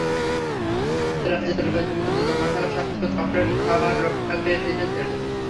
দেরাজের মধ্যে জমা থাকা সত্ত্বেও চকোলেট খাওয়ার লোভটাকে দিলে ছেড়ে।